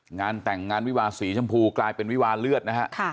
งานแต่งงานวิวาสีชมพูกลายเป็นวิวาเลือดนะฮะ